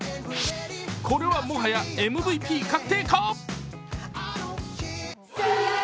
これはもはやＭＶＰ確定か。